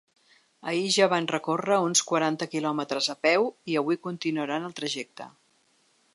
Ahir ja van recórrer uns quaranta quilòmetres a peu i avui continuaran el trajecte.